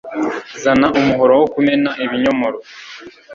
Zana umuhoro wo kumena ibinyomoro